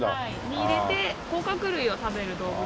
に入れて甲殻類を食べる動物なので。